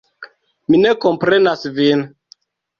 Mi ne komprenas vin.